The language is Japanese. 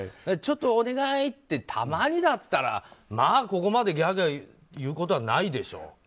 ちょっとお願い！とたまにだったらここまでギャーギャー言うことはないでしょう。